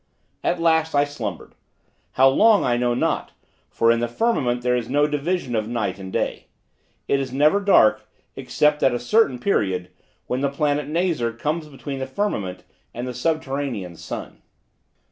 At last I slumbered. How long I know not, for in the firmament there is no division of night and day. It is never dark, except at a certain period, when the planet Nazar comes between the firmament and the subterranean sun.